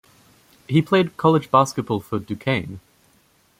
He played college basketball for Duquesne.